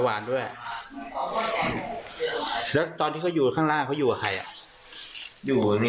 และตอนที่เค้าอยู่ข้างล่างเค้าอยู่กับใครอ่ะ